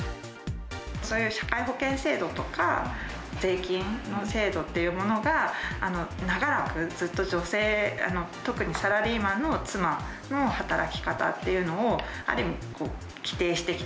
そういう社会保険制度とか、税金の制度っていうものが、長らくずっと女性、特にサラリーマンの妻の働き方っていうのを、ある意味、規定してきた。